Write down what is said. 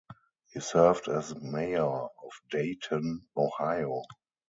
He served as mayor of Dayton, Ohio.